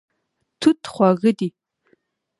توت خواږه دی.